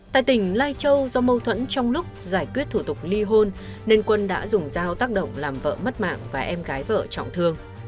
tại tỉnh lai châu do mâu thuẫn trong lúc giải quyết thủ tục ly hôn nên quân đã dùng dao tác động làm vợ mất mạng và em gái vợ trọng thương